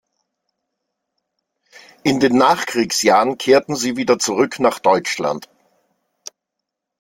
In den Nachkriegsjahren kehrten sie wieder zurück nach Deutschland.